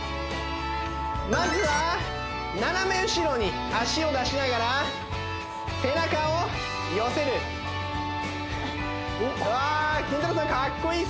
まずは斜め後ろに足を出しながら背中を寄せるわあキンタロー。